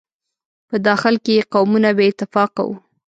په داخل کې یې قومونه بې اتفاقه وو.